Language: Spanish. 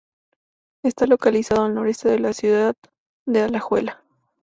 Está localizado al noroeste de la ciudad de Alajuela.